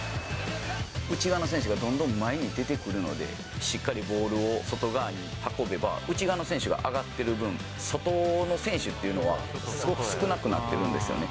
内側の選手がどんどん前に出てくるので、しっかりボールを外側に運べば、内側の選手が上がってる分、外の選手っていうのは、すごく少なくなってるんですよね。